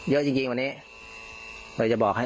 เยอะจริงวันนี้